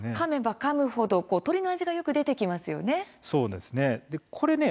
かめばかむほど鶏の味が出てきますよね。